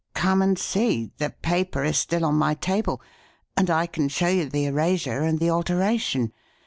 Come and see. The paper is still on my table, and I can show you the erasure and the alteration.